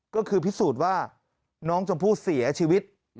ก็คือพิสูจน์ว่าน้องชมพู่เสียชีวิต